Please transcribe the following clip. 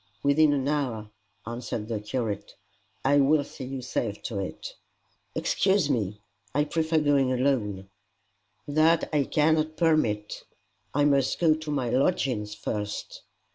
"Within an hour," answered the curate. "I will see you safe to it." "Excuse me; I prefer going alone." "That I cannot permit." "I must go to my lodgings first."